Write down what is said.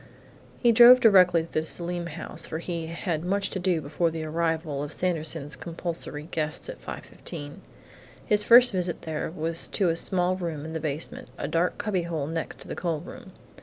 He drove directly to the Selim house, for he had much to do before the arrival of Sanderson's compulsory guests at 5:15. His first visit there was to a small room in the basement a dark cubbyhole next to the coal room.